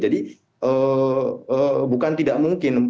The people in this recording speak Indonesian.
jadi bukan tidak mungkin